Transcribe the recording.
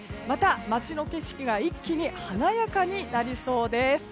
また街の景色が一気に華やかになりそうです。